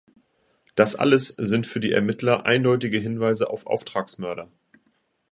Das alles sind für die Ermittler eindeutige Hinweise auf Auftragsmörder.